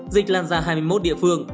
dịch lan ra hai mươi một địa phương